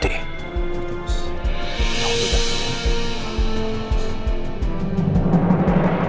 terus jangan sampai dia lolos